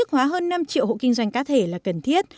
hóa hơn năm triệu hộ kinh doanh cá thể là cần thiết